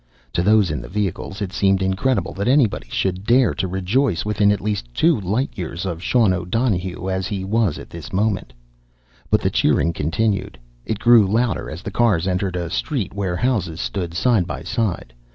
To those in the vehicles, it seemed incredible that anybody should dare to rejoice within at least two light years of Sean O'Donohue as he was at this moment. But the cheering continued. It grew louder as the cars entered a street where houses stood side by side.